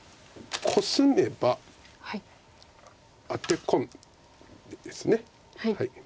コスめばアテ込んでですね。